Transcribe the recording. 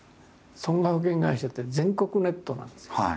損害保険会社って全国ネットなんですよ。